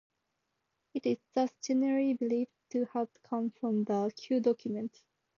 It is thus generally believed to have come from the Q document.